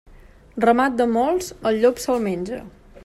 Ramat de molts, el llop se'l menja.